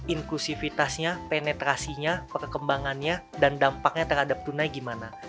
inklusifitasnya penetrasinya perkembangannya dan dampaknya terhadap tunai gimana